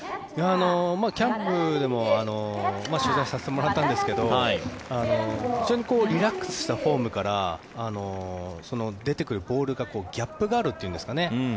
キャンプでも取材させてもらったんですけど非常にリラックスしたフォームから出てくるボールがギャップがあるというんですかね。